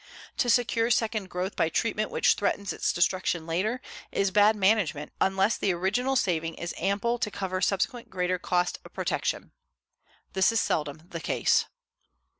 To secure second growth by treatment which threatens its destruction later is bad management unless the original saving is ample to cover subsequent greater cost of protection. This is seldom the case.